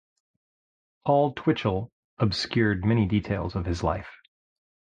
Paul Twitchell obscured many details of his life.